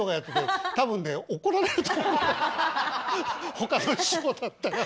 ほかの師匠だったら。